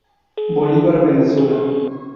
Bolívar, Venezuela.